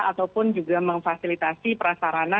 ataupun juga memfasilitasi perasarana